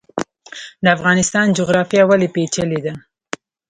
د افغانستان جغرافیا ولې پیچلې ده؟